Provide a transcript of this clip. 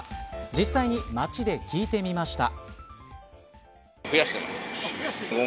実際に街で聞いてみました。